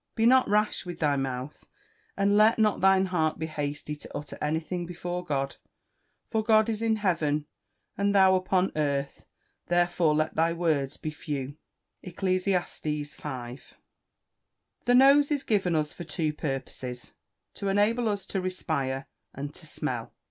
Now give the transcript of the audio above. [Verse: "Be not rash with thy mouth, and let not thine heart be hasty to utter anything before God: for God is in heaven, and thou upon earth; therefore let thy words be few." ECCLESIASTES V.] The nose is given us for two purposes to enable us to respire and to smell.